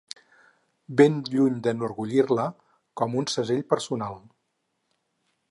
Ben lluny d'enorgullir-la com un segell personal